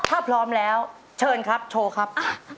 ถ้าพร้อมแล้วเชิญครับโชว์ครับ